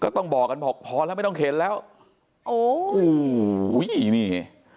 ต้องบอกกันบอกพอแล้วไม่ต้องเข็นแล้วโอ้โหอุ้ยนี่